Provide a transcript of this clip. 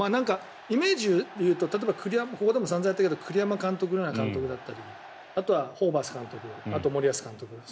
イメージでいうと例えばここでも散々やったけど栗山監督なら監督だったりあとはホーバス監督森保監督